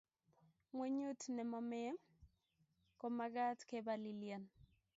gwenyut nemomee ki komakat kepalilian.